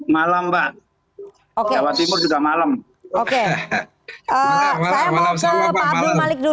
malam pak jawa timur juga malam